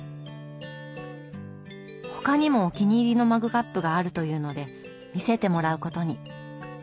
他にもお気に入りのマグカップがあるというので見せてもらうことに。